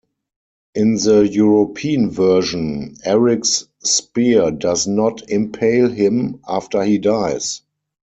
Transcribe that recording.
In the European version, Eric's spear does not impale him after he dies.